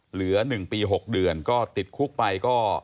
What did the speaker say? เหลือหนึ่งปีหกเดือนก็ติดคุกไปก็